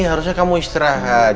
harusnya kamu istirahat